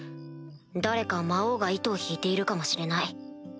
誰か魔王が糸を引いているかもしれない。